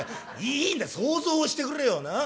「いいんだ想像してくれよなっ。